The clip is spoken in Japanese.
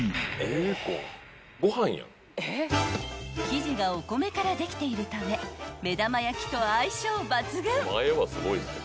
［生地がお米からできているため目玉焼きと相性抜群］